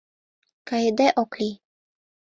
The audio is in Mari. — Кайыде ок лий...